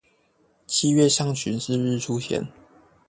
七月上旬是日出前